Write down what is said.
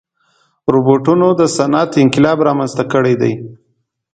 روبوټونه د صنعت انقلاب رامنځته کړی دی.